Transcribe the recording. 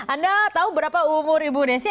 anda tahu berapa umur ibu ini sih